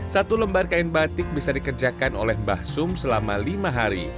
satu lembar kain batik bisa dikerjakan oleh mbah sum selama lima hari